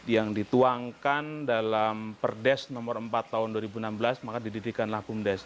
yang dituangkan dalam perdes nomor empat tahun dua ribu enam belas maka didirikanlah bumdes